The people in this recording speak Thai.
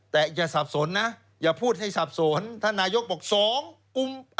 แต่อย่าพูดให้สับสนถ้านายกบอก๒กรุม๕